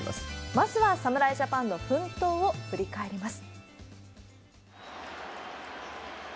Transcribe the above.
まずは侍ジャパンの奮闘を振り返ります。